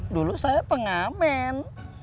dulu saya pengamen